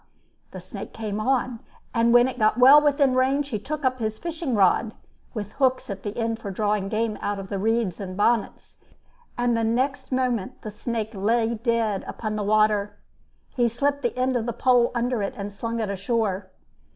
The snake came on, and when it got well within range he took up his fishing rod (with hooks at the end for drawing game out of the reeds and bonnets), and the next moment the snake lay dead upon the water. He slipped the end of the pole under it and slung it ashore.